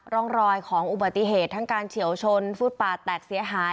ร่องรอยของอุบัติเหตุทั้งการเฉียวชนฟุตปาดแตกเสียหาย